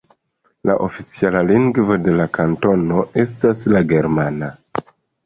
La oficiala lingvo de la kantono estas la germana.